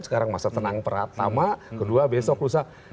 sekarang masa tenang pertama kedua besok lusa